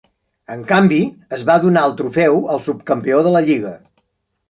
En canvi, es va donar el trofeu al subcampió de la Lliga.